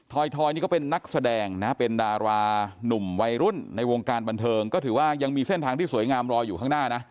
นี่ก็เป็นนักแสดงนะเป็นดารานุ่มวัยรุ่นในวงการบันเทิงก็ถือว่ายังมีเส้นทางที่สวยงามรออยู่ข้างหน้านะ